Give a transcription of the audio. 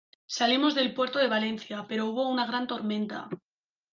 salimos del puerto de Valencia, pero hubo una gran tormenta.